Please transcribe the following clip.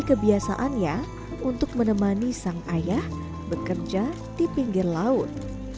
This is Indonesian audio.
kebiasaannya untuk menemani sang ayah bekerja di pinggir laut